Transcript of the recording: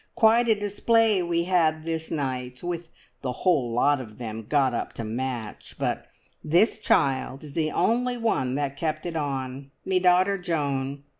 Quite a display we had this night, with the whole lot of them got up to match; but this child is the only one that kept it on. Me daughter Joan!